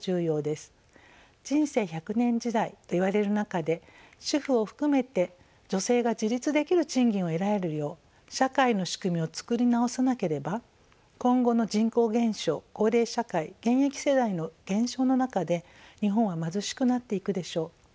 人生１００年時代といわれる中で主婦を含めて女性が自立できる賃金を得られるよう社会の仕組みをつくり直さなければ今後の人口減少高齢社会現役世代の減少の中で日本は貧しくなっていくでしょう。